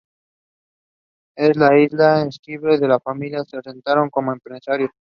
En la isla, Esquivel y su familia se asentaron como empresarios.